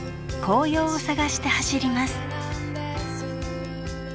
紅葉を探して走ります。